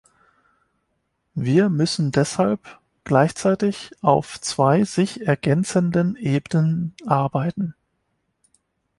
Wir müssen deshalb gleichzeitig auf zwei sich ergänzenden Ebenen arbeiten.